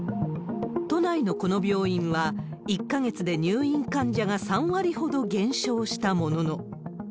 都内のこの病院は、１か月で入院患者が３割ほど減少したものの。